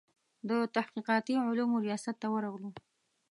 د تحقیقاتي علومو ریاست ته ورغلو.